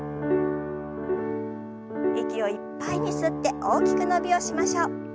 息をいっぱいに吸って大きく伸びをしましょう。